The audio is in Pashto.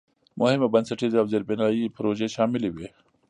مهمې بنسټیزې او زېربنایي پروژې شاملې وې.